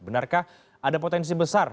benarkah ada potensi besar